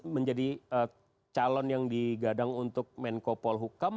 menjadi calon yang digadang untuk menko polhukam